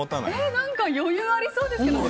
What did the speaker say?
何か余裕ありそうですけどね。